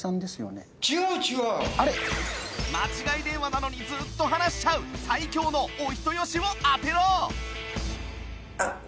間違い電話なのにずーっと話しちゃう最強のお人好しを当てろ！